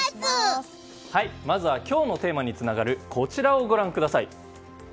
まずは今日のテーマにつながるこちらをご覧ください。